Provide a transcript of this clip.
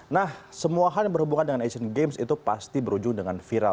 nah semua hal yang berhubungan dengan asian games itu pasti berujung dengan viral